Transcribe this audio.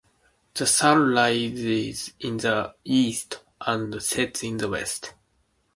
The sun rises in the east and sets in the west.